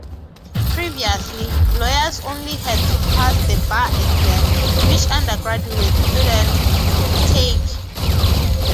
Previously, lawyers only had to pass the bar exam, which undergraduate students could take.